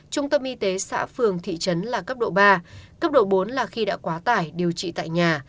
trung tâm y tế xã phường thị trấn là cấp độ ba cấp độ bốn là khi đã quá tải điều trị tại nhà